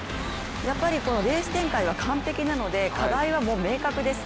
やっぱりレース展開が完璧なので、課題は明確です。